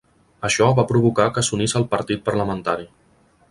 Això va provocar que s'unís al partit parlamentari.